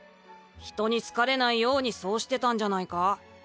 人に好かれないようにそうしてたんじゃないか？